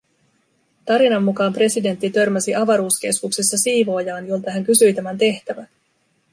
Tarinan mukaan presidentti törmäsi avaruuskeskuksessa siivoojaan, jolta hän kysyi tämän tehtävää.